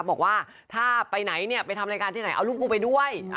บอกว่าถ้าไปไหนเนี่ยไปทำรายการที่ไหนเอาลูกกูไปด้วย